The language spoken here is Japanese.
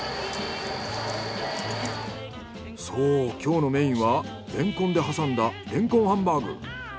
そう今日のメインはレンコンで挟んだレンコンハンバーグ。